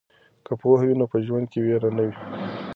که پوهه وي نو په ژوند کې ویر نه وي.